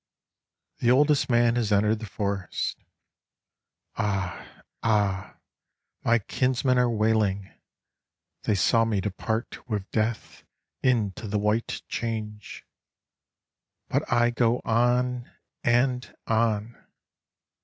The oldest man has entered the forest. Ah! Ah! my kinsmen are wailing; They saw me depart with DeathInto the White Change.But I go on—and on!